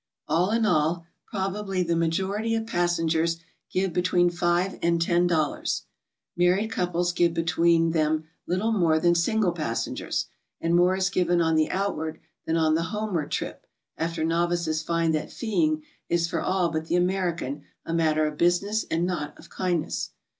All in all, probably the majority of passengers give be tween five and ten dollars; married couples give between them little more than single passengers. And more is given on the outward than on the homeward trip, after novices find that feeing is for all but the American a matter of business and not of kindness.